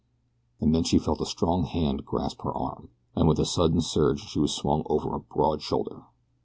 And then she felt a strong hand grasp her arm, and with a sudden surge she was swung over a broad shoulder.